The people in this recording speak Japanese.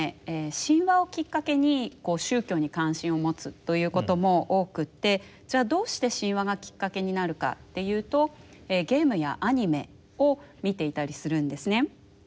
神話をきっかけに宗教に関心を持つということも多くてどうして神話がきっかけになるかっていうとゲームやアニメを見ていたりするんですね。